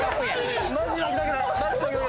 マジ負けたくない！